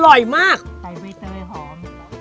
อร่อยมากใส่ใบเตยหอม